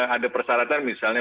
ada persyaratan misalnya